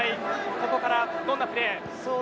ここからどんなプレーを。